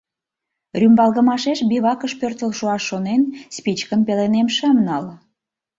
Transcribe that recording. Рӱмбалгымашеш бивакыш пӧртыл шуаш шонен, спичкым пеленем шым нал.